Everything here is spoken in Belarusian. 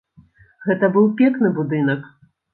Гэта быў пекны будынак.